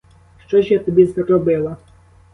Що ж я тобі зробила?